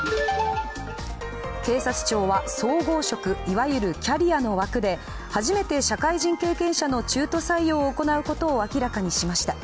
警察庁は総合職、いわゆるキャリアの枠で初めて社会人経験者の中途採用を行うことを明らかにしました。